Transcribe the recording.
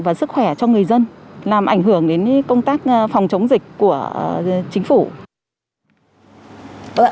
và sức khỏe cho người dân làm ảnh hưởng đến công tác phòng chống dịch của chính phủ